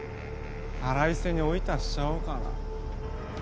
腹いせにオイタしちゃおうかな。